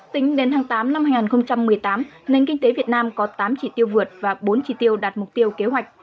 tính đến tháng tám năm hai nghìn một mươi tám nền kinh tế việt nam có tám chỉ tiêu vượt và bốn chỉ tiêu đạt mục tiêu kế hoạch